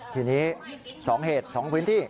ทีนี้๒เหตุ๒พื้นที่